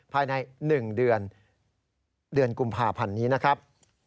ภายใน๑เดือนกุมภาพันธ์นี้นะครับ